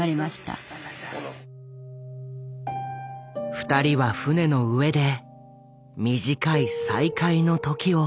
２人は船の上で短い再会の時を過ごした。